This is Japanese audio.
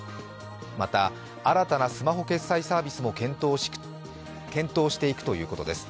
また新たなスマホ決済サービスも検討していくということです。